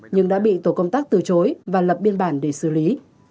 nhưng đã bị tổ công tác từ chối và lập biên bản để xử lý